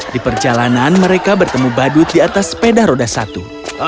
di perjalanan mereka bertemu badut di atas sepeda roda satu